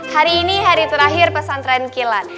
hari ini hari terakhir pesantren kilat